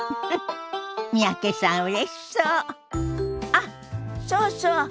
あっそうそう。